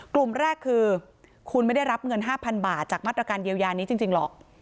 กลุ่มแรกคือคุณไม่ได้รับเงิน๕๐๐๐บาทจากมาตรการเยียวยานี้จริงหรอก